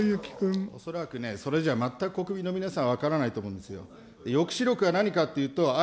恐らくね、それじゃあ全く国民の皆さんは分からないと思うんですよ。